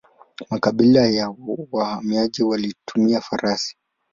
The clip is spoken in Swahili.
Makabila ya wahamiaji walitumia farasi.